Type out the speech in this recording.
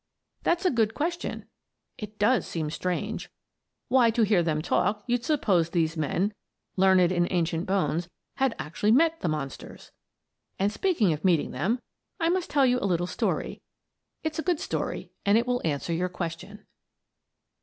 That's a good question. It does seem strange. Why, to hear them talk, you'd suppose these men, learned in ancient bones, had actually met the monsters! And, speaking of meeting them, I must tell you a little story. It's a good story and it will answer your question.